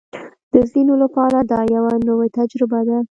د ځینو لپاره دا یوه نوې تجربه ده